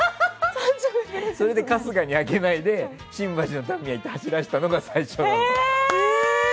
それで春日にあげないで新橋のタミヤ行って走らせたのが最初。